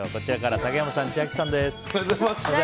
竹山さん、千秋さんです。